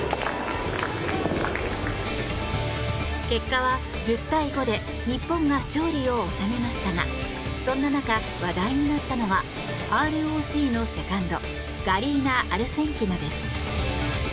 結果は１０対５で日本が勝利を収めましたがそんな中、話題になったのはＲＯＣのセカンドガリーナ・アルセンキナです。